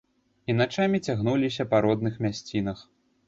І начамі цягнуліся па родных мясцінах.